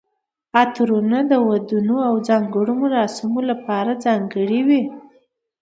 عطرونه د ودونو او ځانګړو مراسمو لپاره ځانګړي وي.